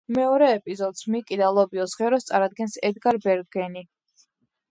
მეორე ეპიზოდს, „მიკი და ლობიოს ღეროს“, წარადგენს ედგარ ბერგენი.